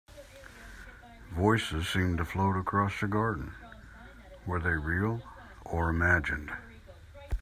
Voices seemed to float across the garden, were they real or imagined?